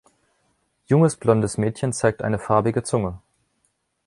Junges blondes Mädchen zeigt eine farbige Zunge